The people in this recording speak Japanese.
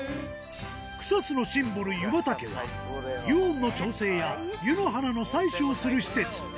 草津のシンボル、湯畑は、湯温の調整や湯の花の採取をする施設。